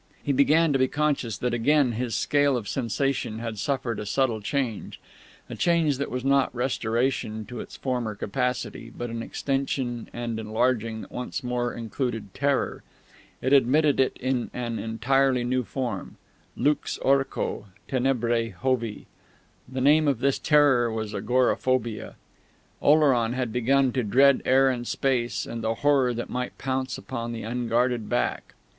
He began to be conscious that again his scale of sensation had suffered a subtle change a change that was not restoration to its former capacity, but an extension and enlarging that once more included terror. It admitted it in an entirely new form. Lux orco, tenebrae Jovi. The name of this terror was agoraphobia. Oleron had begun to dread air and space and the horror that might pounce upon the unguarded back.